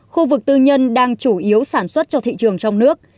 khu vực tư nhân đang chủ yếu sản xuất cho thị trường trong nước